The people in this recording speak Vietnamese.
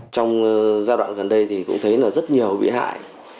trong giai đoạn gần đây thì cũng thấy là rất nhiều bị hại